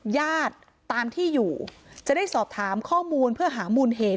ญาติตามที่อยู่จะได้สอบถามข้อมูลเพื่อหามูลเหตุ